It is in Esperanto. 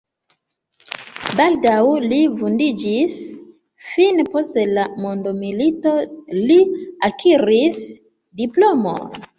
Baldaŭ li vundiĝis, fine post la mondomilito li akiris diplomon.